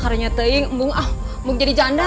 karena teh emang jadi janda